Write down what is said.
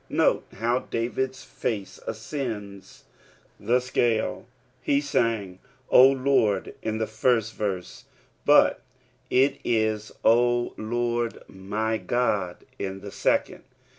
Note how David's faith ascends tho scale ; he sang " O Lord " in the first verse, but it is "O Lord my Qod," In the second.